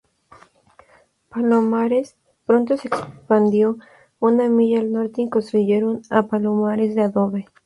Palomares pronto se expandió una milla al noreste y construyeron a Palomares de adobe..